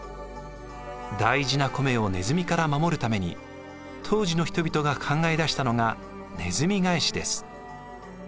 大事な米をねずみから守るために当時の人々が考え出したのがねずみ返しです。